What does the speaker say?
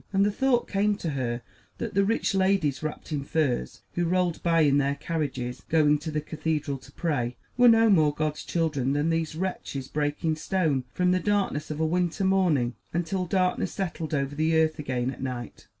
And the thought came to her that the rich ladies, wrapped in furs, who rolled by in their carriages, going to the cathedral to pray, were no more God's children than these wretches breaking stone from the darkness of a winter morning until darkness settled over the earth again at night.